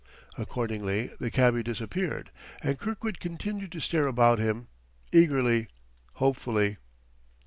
Accordingly the cabby disappeared; and Kirkwood continued to stare about him, eagerly, hopefully.